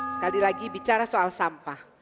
sekali lagi bicara soal sampah